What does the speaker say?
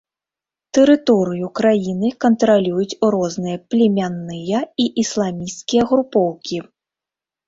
Тэрыторыю краіны кантралююць розныя племянныя і ісламісцкія групоўкі.